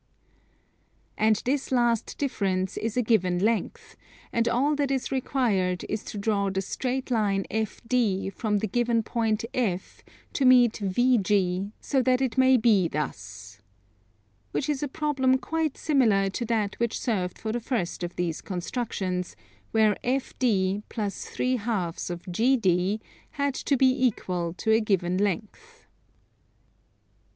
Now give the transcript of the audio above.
And this last difference is a given length: and all that is required is to draw the straight line FD from the given point F to meet VG so that it may be thus. Which is a problem quite similar to that which served for the first of these constructions, where FD plus 3/2 of GD had to be equal to a given length.